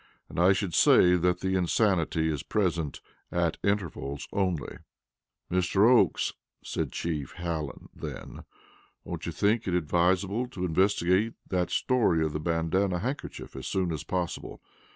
"And I should say that the insanity is present at intervals only." "Mr. Oakes," said Chief Hallen then, "don't you think it advisable to investigate that story of the bandana handkerchief as soon as possible?